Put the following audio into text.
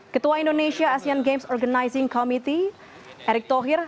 ketua indonesia asean games organizing committee erick thohir